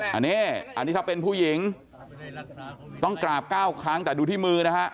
อันนี้อันนี้ถ้าเป็นผู้หญิงต้องกราบ๙ครั้งแต่ดูที่มือนะฮะ